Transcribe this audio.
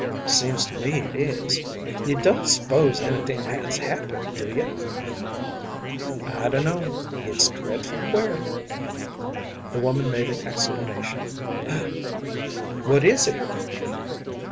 "Seems to me it is. You don't s'pose anything has happened, do you?" "I dun'no'. It's dreadful queer." The woman made an exclamation. "What is it?"